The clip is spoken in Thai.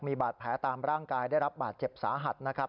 มีบาดแผลตามร่างกายได้รับบาดเจ็บสาหัสนะครับ